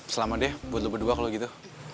selamat deh buat lo berdua kalau gitu